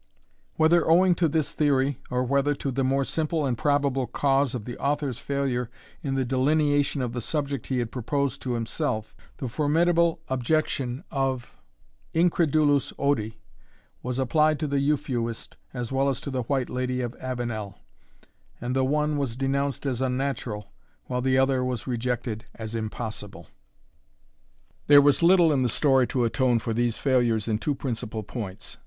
Whether owing to this theory, or whether to the more simple and probable cause of the author's failure in the delineation of the subject he had proposed to himself, the formidable objection of incredulus odi was applied to the Euphuist, as well as to the White Lady of Avenel; and the one was denounced as unnatural, while the other was rejected as impossible. There was little in the story to atone for these failures in two principal points.